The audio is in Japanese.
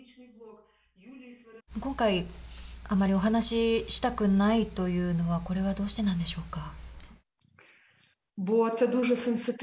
今回あまりお話ししたくないというのはこれはどうしてなんでしょうか。